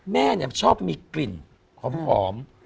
แม่ชอบมีกลิ่นหอม